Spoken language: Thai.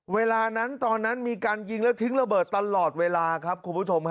เวลานั้นตอนนั้นมีการยิงแล้วทิ้งระเบิดตลอดเวลาครับคุณผู้ชม